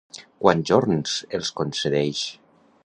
Quants jorns els concedeix?